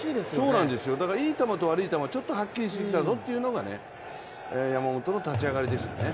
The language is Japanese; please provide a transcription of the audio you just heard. そうなんですよ、だからいい球と悪い球がちょっとはっきりしすぎたぞというのが山本の立ち上がりでしたね。